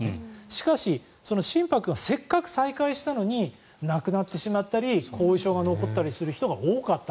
しかし、その心拍がせっかく再開したのに亡くなってしまったり後遺症が残ってしまう人が多かった。